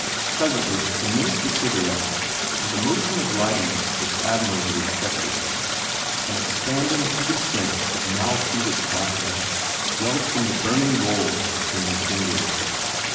Presently she commenced a cigarette and the motion of lighting it was admirably effected. An expanding, heavy scent of maltreated tobacco welled from the burning roll between her fingers.